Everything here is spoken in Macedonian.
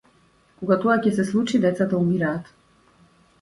Кога тоа ќе се случи децата умираат.